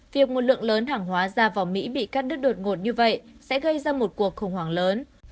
việc một lượng lớn hàng hóa ra vào mỹ bị cắt đứt đột ngột như vậy sẽ gây ra một cuộc khủng hoảng lớn